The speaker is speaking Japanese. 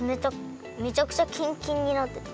めちゃくちゃキンキンになってた。